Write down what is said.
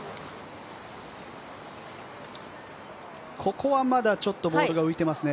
ここはまだちょっとボールが浮いていますね。